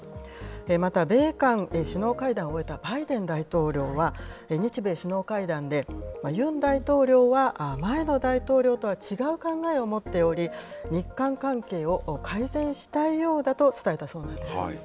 また、米韓首脳会談を終えたバイデン大統領は、日米首脳会談で、ユン大統領は前の大統領とは違う考えを持っており、日韓関係を改善したいようだと伝えたそうなんです。